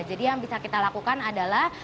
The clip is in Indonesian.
jadi yang bisa kita lakukan adalah